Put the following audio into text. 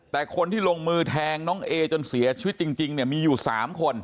แต่คนที่ลงมือแทงน้องเอจนเสียชีวิตจริงเนี่ยมีอยู่๓คน